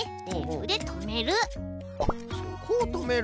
あっそこをとめる。